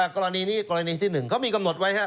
กรณีนี้กรณีที่๑เขามีกำหนดไว้